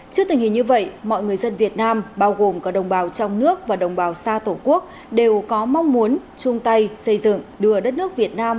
trước tình hình như vậy mọi người dân việt nam bao gồm cả đồng bào trong nước và đồng bào xa tổ quốc đều có mong muốn chung tay xây dựng đưa đất nước việt nam